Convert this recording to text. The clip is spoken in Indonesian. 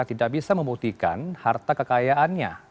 tidak bisa membuktikan harta kekayaannya